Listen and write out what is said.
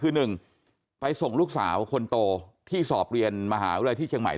คือ๑ไปส่งลูกสาวคนโตที่สอบเรียนมหาวิทยาลัยที่เชียงใหม่